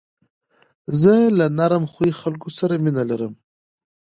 زه له نرم خوی خلکو سره مینه لرم.